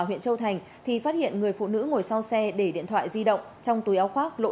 huyện châu thành thì phát hiện người phụ nữ ngồi sau xe để điện thoại di động trong túi áo khoác lỗ